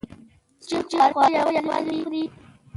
څوک چې خواړه یوازې خوري.